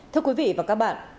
thưa quý vị và các bạn